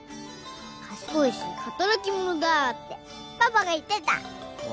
「賢いし働き者だ」ってパパが言ってた。